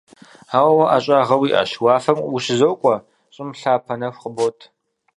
Ауэ уэ ӏэщӏагъэ уиӏэщ: уафэм ущызокӏуэ, щӏым лъапэ нэху къыбот.